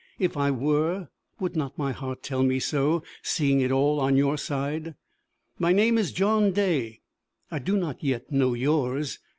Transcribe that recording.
If I were, would not my heart tell me so, seeing it is all on your side? "My name is John Day; I do not yet know yours.